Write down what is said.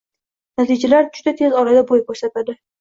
natijalar juda tez orada bo‘y ko‘rsatadi